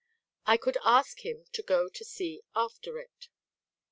I could ask him to go to see after it.